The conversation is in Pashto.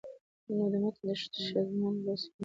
نو د متن د ښځمن لوست لومړى پړاو